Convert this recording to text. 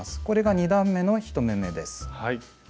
これが２段めの１目めです。